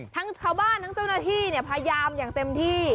ทั้งชาวบ้านทั้งเจ้าหน้าที่พยายามอย่างเต็มที่